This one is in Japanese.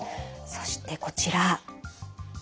そしてこちら。